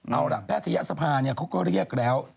เอาล่ะแพทยศภาเขาก็เรียกแล้ว